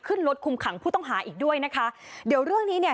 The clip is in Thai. ขึ้นรถคุมขังผู้ต้องหาอีกด้วยนะคะเดี๋ยวเรื่องนี้เนี่ย